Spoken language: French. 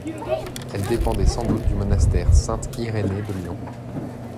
Elle dépendait sans doute du monastère Saint-Irénée de Lyon.